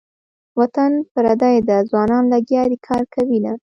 وطن پردی ده ځوانان لګیا دې کار کوینه.